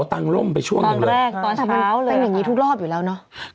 แต่งอย่างนี้ทุกรอบอยู่แล้วเนอะ